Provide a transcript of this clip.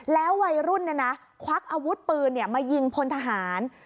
แล้ววัยรุ่นควักอาวุธปืนมายิงพลทหาร